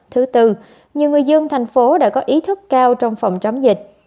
thứ tư nhiều người dân thành phố đã có ý thức cao trong phòng chống dịch